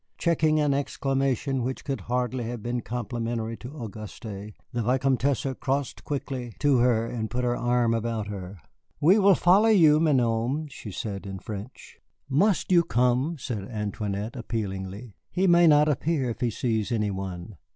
Checking an exclamation which could hardly have been complimentary to Auguste, the Vicomtesse crossed quickly to her and put her arm about her. "We will follow you, mignonne," she said in French. "Must you come?" said Antoinette, appealingly. "He may not appear if he sees any one."